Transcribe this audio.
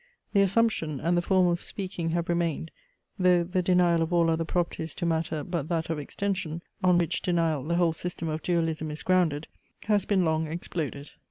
The assumption, and the form of speaking have remained, though the denial of all other properties to matter but that of extension, on which denial the whole system of Dualism is grounded, has been long exploded.